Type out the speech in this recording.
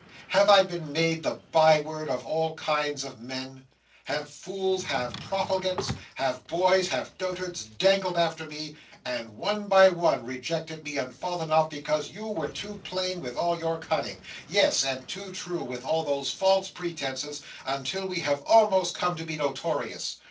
Have I been made the bye word of all kinds of men? Have fools, have profligates, have boys, have dotards, dangled after me, and one by one rejected me, and fallen off, because you were too plain with all your cunning: yes, and too true, with all those false pretences: until we have almost come to be notorious?